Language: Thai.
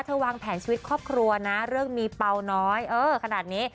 วางแผนชีวิตครอบครัวนะเรื่องมีเปล่าน้อยเออขนาดนี้